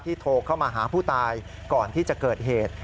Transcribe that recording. โทรเข้ามาหาผู้ตายก่อนที่จะเกิดเหตุ